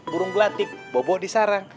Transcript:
burung gelatik bobo disarang